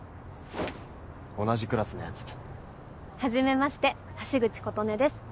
同じクラスのヤツはじめまして橋口琴音です